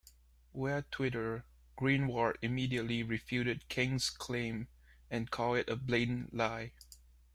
Via Twitter, Greenwald immediately refuted King's claim and called it a "blatant lie".